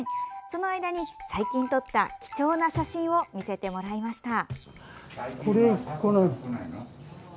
その間に、最近撮った貴重な写真を見せてもらいました。